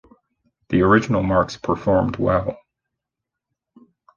The original marks performed well.